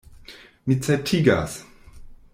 Mi certigas.